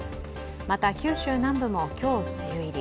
また九州南部も今日、梅雨入り。